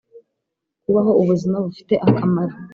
kubaho ubuzima bufite akamaro,